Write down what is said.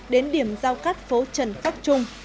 đến điểm giao cắt phố trần pháp trung